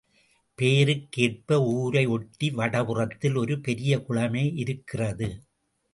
பெயருக்கு ஏற்ப ஊரை ஒட்டி வடபுறத்தில் ஒரு பெரிய குளமே இருக்கிறது.